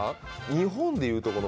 日本でいうとこの。